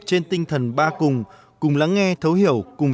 trên tinh thần ba cùng cùng lắng nghe thấu hiểu cùng